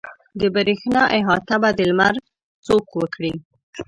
د برېښنا احاطه به د لمر څوک وکړي.